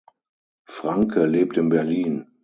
Franke lebt in Berlin.